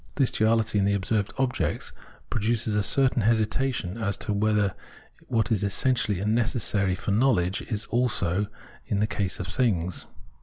This duaUty in the observed object produces a certain hesitation as to whether what is essential and necessary for knowledge is also so in the case of things.